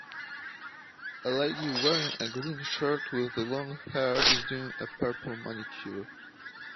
A lady wearing a green shirt with long hair is doing a purple manicure.